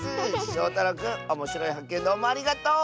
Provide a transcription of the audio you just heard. しょうたろうくんおもしろいはっけんどうもありがとう！